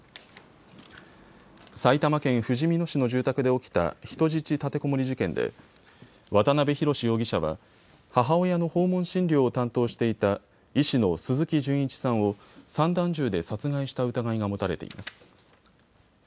埼玉県ふじみ野市の住宅で起きた人質立てこもり事件で渡邊宏容疑者は、母親の訪問診療を担当していた医師の鈴木純一さんを散弾銃で殺害した疑いが持たれています。